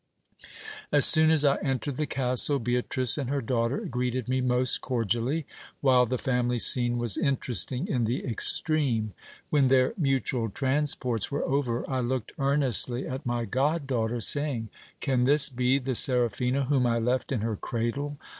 As soon as I entered the castle, Beatrice and her daughter greeted me most I cordially, while the family scene was interesting in the extreme. When their 1 mutual transports were over, I looked earnestly at my god daughter, saying : Can this be the Seraphina whom I left in her cradle